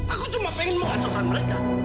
aku cuma pengen mengajarkan mereka